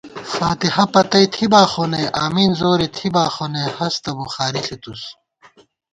فاتحہ پتی تھِباخونئ امین زورےتھِبا خونئ ہستہ بُخاری ݪِتُس